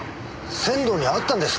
仙道に会ったんですか？